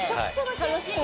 楽しみ。